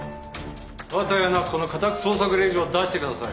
綿谷夏子の家宅捜索令状を出してください。